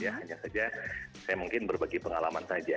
hanya saja saya mungkin berbagi pengalaman saja